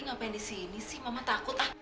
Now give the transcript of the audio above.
ngapain di sini sih mama takut